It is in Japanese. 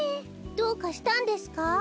どうかしたんですか？